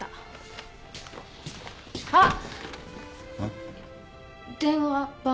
あっ！